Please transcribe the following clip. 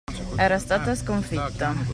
Era stata sconfitta.